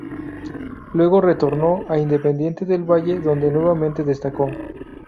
Luego retornó a Independiente del Valle donde nuevamente destacó.